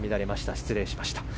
失礼しました。